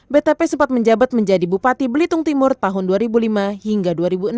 btp sempat menjabat menjadi bupati belitung timur tahun dua ribu lima hingga dua ribu enam